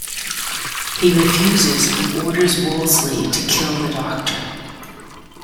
He refuses and orders Woolsey to kill the Doctor.